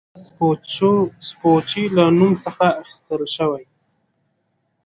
دې لویې وچې نوم د امریکو سپوچي له نوم څخه اخیستل شوی.